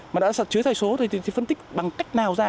mà đã sạch chứa sai số thì phân tích bằng cách nào ra